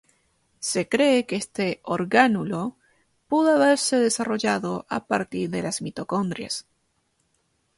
Se cree que este orgánulo pudo haberse desarrollado a partir de las mitocondrias.